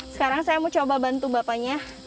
sekarang saya mau coba bantu bapaknya